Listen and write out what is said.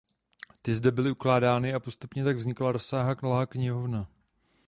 Ty zde byly ukládány a postupně tak vznikla rozsáhlá knihovna.